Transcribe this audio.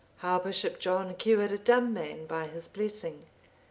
How Bishop John cured a dumb man by his blessing.